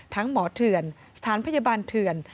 หมอเถื่อนสถานพยาบาลเถื่อน